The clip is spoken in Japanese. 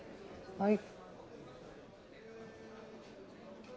はい。